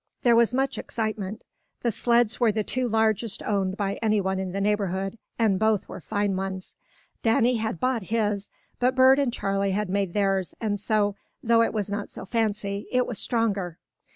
There was much excitement. The sleds were the two largest owned by anyone in the neighborhood, and both were fine ones. Danny had bought his, but Bert and Charley had made theirs, and so, though it was not so fancy, it was stronger.